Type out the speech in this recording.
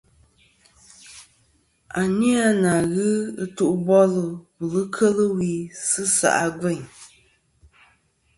A ni a na ghɨ ɨtu bolɨ wùl kel wi sɨ se ' a gveyn.